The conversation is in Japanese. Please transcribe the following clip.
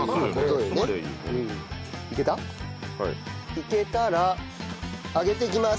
いけたら揚げていきます。